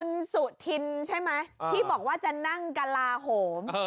คุณสุธินใช่ไหมที่บอกว่าจะนั่งกลาโหม